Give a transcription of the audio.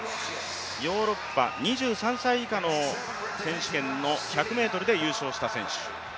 ヨーロッパ２３歳以下の選手権の１００ｍで優勝した選手。